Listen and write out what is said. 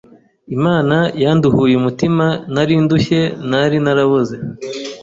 Imana yanduhuye umutima nari ndushye nari naraboze